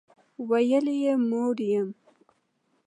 ویل یې موړ یم.